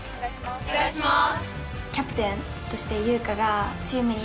お願いします。